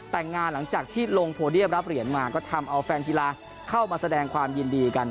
แต่งงานหลังจากที่ลงโพเดียมรับเหรียญมาก็ทำเอาแฟนกีฬาเข้ามาแสดงความยินดีกัน